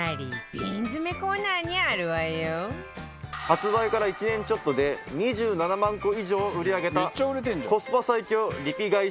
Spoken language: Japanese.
発売から１年ちょっとで２７万個以上を売り上げたコスパ最強リピ買い